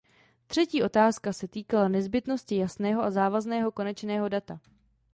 Třetí otázka se týkala nezbytnosti jasného a závazného konečného data.